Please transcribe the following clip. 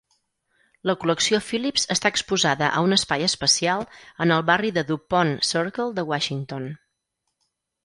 La col·lecció Phillips està exposada a un espai especial en el barri de Dupont Circle de Washington.